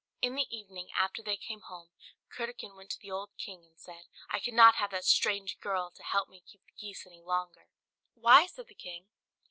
In the evening, after they came home, Curdken went to the old king, and said, "I cannot have that strange girl to help me to keep the geese any longer." "Why?" said the king.